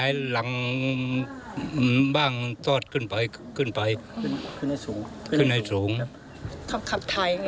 ขับถ่ายครับ